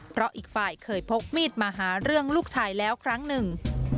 เพราะอีกฝ่ายเคยพกมีดมาหาเรื่องลูกชายแล้วครั้งหนึ่ง